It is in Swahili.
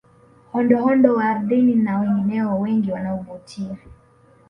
Hondohondo wa ardhini na wengineo wengi wanaovutia